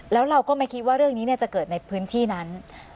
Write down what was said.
แล้วเราก็ไม่คิดว่าเรื่องนี้จะเกิดในพื้นที่นั้น